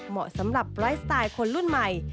เหมาะสำหรับไลฟ์สไตล์คนรุ่นใหม่